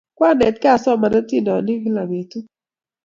Kwanetkey asoman atindonik kila petut